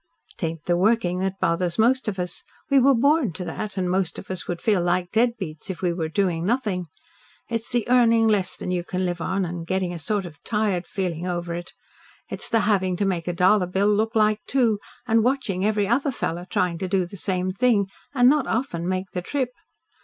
"'Tain't the working that bothers most of us. We were born to that, and most of us would feel like deadbeats if we were doing nothing. It's the earning less than you can live on, and getting a sort of tired feeling over it. It's the having to make a dollar bill look like two, and watching every other fellow try to do the same thing, and not often make the trip.